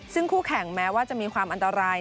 ซึ่งคู่แข่งแม้ว่าจะมีความอันตราย